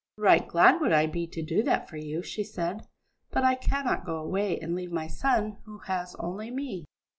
"Right glad would I be to do that for you," she said, "but I cannot go away and leave my son, who has only me."